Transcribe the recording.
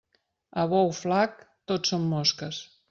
A bou flac tot són mosques.